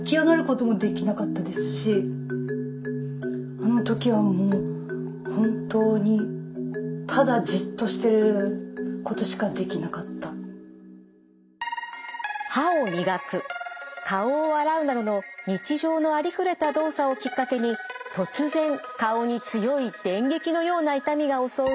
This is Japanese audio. あの時はもう本当に歯を磨く顔を洗うなどの日常のありふれた動作をきっかけに突然顔に強い電撃のような痛みが襲う